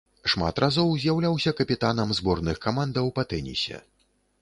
Шмат разоў з'яўляўся капітанам зборных камандаў па тэнісе.